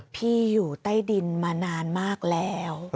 อยู่ใต้ดินมานานมากแล้ว